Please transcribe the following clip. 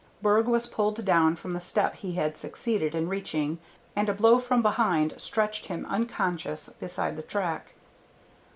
Berg was pulled down from the step he had succeeded in reaching, and a blow from behind stretched him unconscious beside the track.